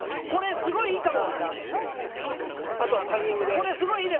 すごいいいかも！